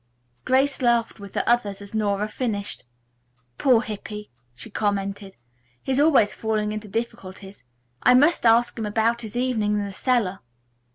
Grace laughed with the others, as Nora finished. "Poor Hippy," she commented, "he is always falling into difficulties. I must ask him about his evening in the cellar."